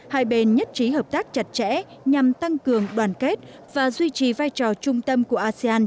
hai bên nhất trí hợp tác chặt chẽ nhằm tăng cường đoàn kết và duy trì vai trò trung tâm của asean